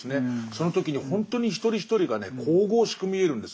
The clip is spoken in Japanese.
その時にほんとに一人一人がね神々しく見えるんです。